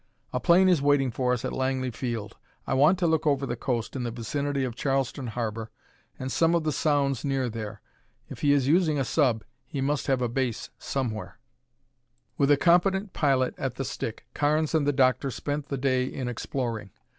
"A plane is waiting for us at Langley Field. I want to look over the coast in the vicinity of Charleston Harbor and some of the sounds near there. If he is using a sub, he must have a base somewhere." With a competent pilot at the stick, Carnes and the Doctor spent the day in exploring.